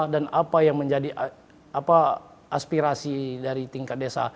dan apa yang menjadi aspirasi dari tingkat desa